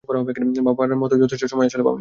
ভাবার মতো যথেষ্ট সময় আসলে পাওনি।